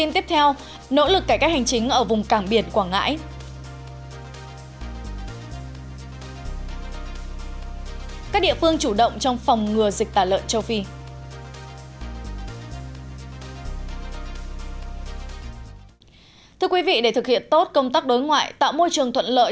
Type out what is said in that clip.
thưa quý vị để thực hiện tốt công tác đối ngoại tạo môi trường thuận lợi